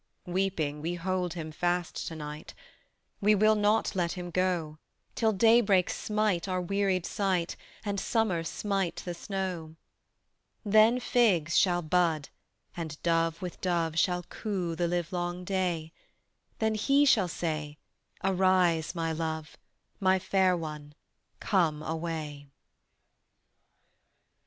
Weeping we hold Him fast to night; We will not let Him go Till daybreak smite our wearied sight, And summer smite the snow: Then figs shall bud, and dove with dove Shall coo the livelong day; Then He shall say, "Arise, My love, My fair one, come away."